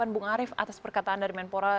bung arief atas perkataan dari menpora